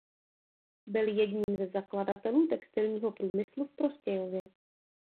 Byl jedním ze zakladatelů textilního průmyslu v Prostějově.